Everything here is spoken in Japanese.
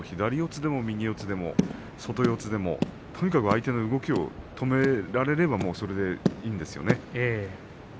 照ノ富士はとにかく右四つでも左四つでもとにかく相手の動きを止められればいいんですよね。